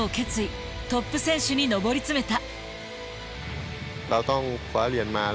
トップ選手に上り詰めた。